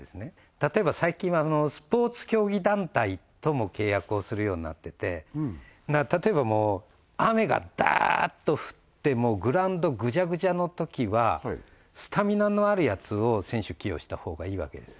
例えば最近はスポーツ競技団体とも契約をするようになってて例えば雨がダーッと降ってグラウンドぐちゃぐちゃのときはスタミナのあるやつを選手起用した方がいいわけです